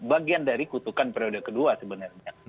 bagian dari kutukan periode kedua sebenarnya